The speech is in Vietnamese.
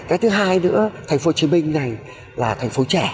cái thứ hai nữa thành phố hồ chí minh này là thành phố trẻ